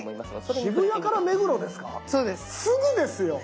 すぐですよ。